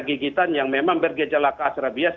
gigitan yang memang bergejala keas rabies